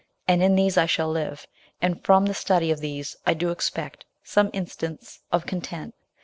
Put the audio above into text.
and in these I shall live, and from the study of these I do expect some instants of content.